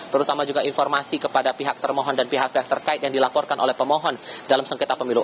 terutama juga informasi kepada pihak termohon dan pihak pihak terkait yang dilaporkan oleh pemohon dalam sengketa pemilu